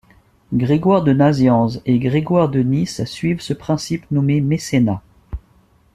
Grégoire de Nazianze et Grégoire de Nysse suivent ce principe nommé mécénat.